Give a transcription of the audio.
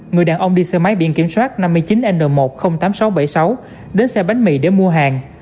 người đàn ông đi xe máy biển kiểm soát năm mươi chín n một trăm linh tám nghìn sáu trăm bảy mươi sáu đến xe bánh mì để mua hàng